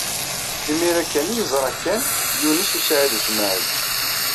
Imir-a kan ay yeẓra Ken Yunes u Saɛid u Smaɛil.